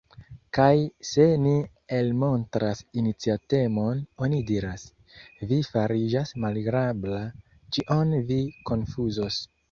Kaj se ni elmontras iniciatemon oni diras: Vi fariĝas malagrabla, ĉion vi konfuzos.